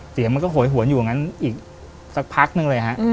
เสียงมันก็โหยหวนอยู่อย่างนั้นอีกสักพักนึงเลยฮะ